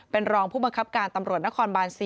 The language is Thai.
เป็นรองผู้บังคับการตำรวจนครบาน๔